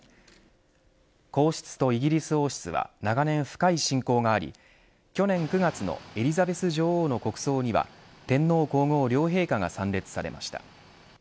皇室とイギリス王室は長年深い親交があり去年９月のエリザベス女王の国葬には天皇皇后両陛下が参列されました。